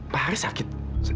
pak haris sakit